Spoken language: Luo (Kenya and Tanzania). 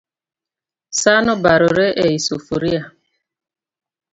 San obarore e i sufria